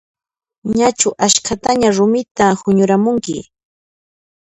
Ñachu askhataña rumita huñuramunki?